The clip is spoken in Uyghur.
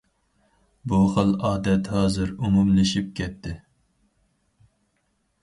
بۇ خىل ئادەت ھازىر ئومۇملىشىپ كەتتى.